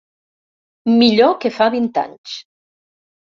Millor que fa vint anys.